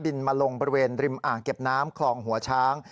มาลงบริเวณริมอ่างเก็บน้ำคลองหัวช้าง